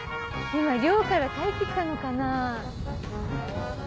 今漁から帰ってきたのかな？